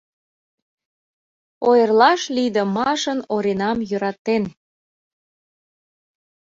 Ойырлаш лийдымашын Оринам йӧратен.